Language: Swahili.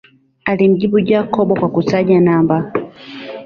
Alimjibu Jacob kwa kutaja namba